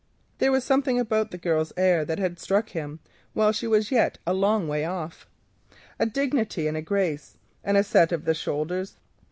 There was something about the girl's air that had struck him while she was yet a long way off—a dignity, a grace, and a set of the shoulders.